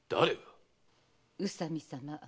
宇佐美様